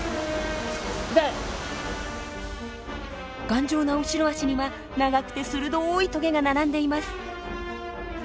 頑丈な後ろ足には長くて鋭いトゲが並んでいます。